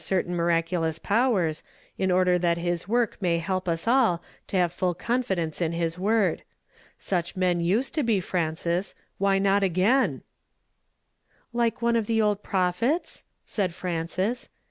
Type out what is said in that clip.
taiii iniraeuloiis powei s, in order that his work may help us to have full (;()iiridonc(! in his word. Such men uscmI to ho, Fraiaes ; why not a^^ain'/" '' Like one of the old prophets?" said Frances.